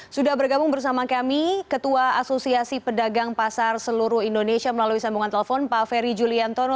sudah bergabung bersama kami ketua asosiasi pedagang pasar seluruh indonesia melalui sambungan telepon pak ferry juliantono